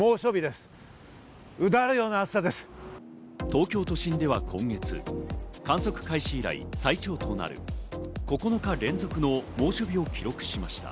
東京都心では今月、観測開始以来、最長となる９日連続の猛暑日を記録しました。